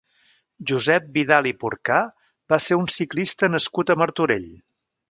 Josep Vidal i Porcar va ser un ciclista nascut a Martorell.